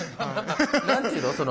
何て言うの？